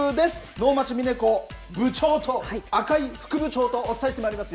能町みね子部長と、赤井副部長とお伝えしてまいります。